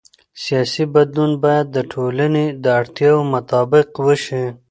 سیاسي بدلون باید د ټولنې د اړتیاوو مطابق وشي